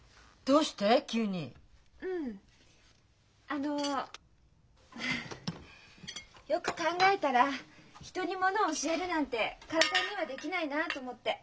あのよく考えたら人にものを教えるなんて簡単にはできないなと思って。